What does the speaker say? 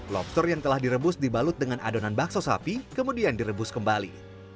lobster yang telah direbus dibalut dengan adonan bakso sapi kemudian direbus kembali